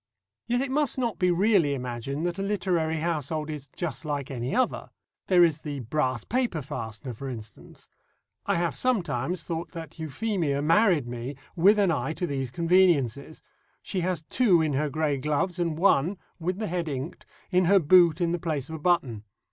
Yet it must not be really imagined that a literary household is just like any other. There is the brass paper fastener, for instance. I have sometimes thought that Euphemia married me with an eye to these conveniences. She has two in her grey gloves, and one (with the head inked) in her boot in the place of a button.